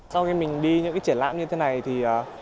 sau khi mình đi những cái triển lãm như thế này thì